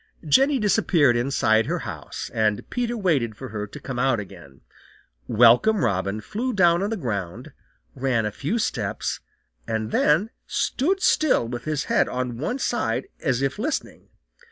Jenny disappeared inside her house, and Peter waited for her to come out again. Welcome Robin flew down on the ground, ran a few steps, and then stood still with his head on one side as if listening.